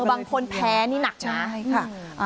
บางคนแพ้นี่หนักใช่ไหม